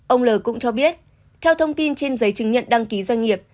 ông l cũng cho biết theo thông tin trên giấy chứng nhận đăng ký doanh nghiệp